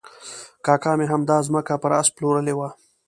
کاکا مې همدا ځمکه پر آس پلورلې وه.